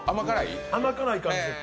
甘辛い感じです。